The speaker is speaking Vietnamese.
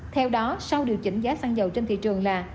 theo đó sau điều chỉnh giá xăng dầu trên thị trường là